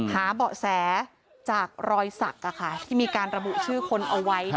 หาเบาะแสจากรอยสักที่มีการระบุชื่อคนเอาไว้